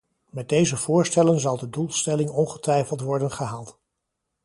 Met deze voorstellen zal de doelstelling ongetwijfeld worden gehaald.